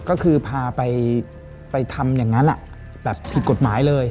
ก็คือพาไปทำอย่างนั้นแบบผิดกฎหมายเลย